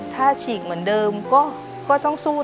ถ้าฉีกเหมือนเดิมก็ต้องสู้